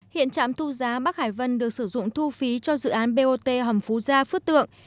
hiện trạm thu giá bắc hải vân được sử dụng thu phí cho dự án bot hầm phú gia phước tượng